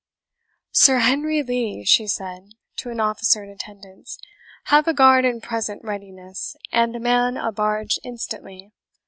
"Sir Henry Lee," she said, to an officer in attendance, "have a guard in present readiness, and man a barge instantly.